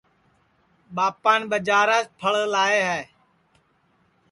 ٻاپان ٻجاراس پھڑ لائے ہے